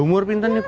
umur sekolah itu